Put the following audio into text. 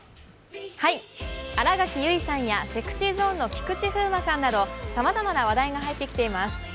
新垣友紀さんやＳｅｘｙＺｏｎｅの菊池風磨さんなどさまざまな話題が入ってきています。